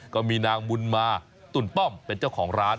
ก็มีนางบุญมาตุ่นป้อมเป็นเจ้าของร้าน